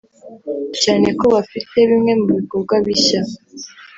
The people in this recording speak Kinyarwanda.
cyane ko bafite bimwe mu bikorwa bishya